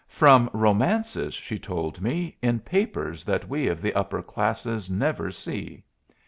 "From romances," she told me, "in papers that we of the upper classes never see."